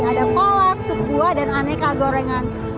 ada kolak sup buah dan aneka gorengan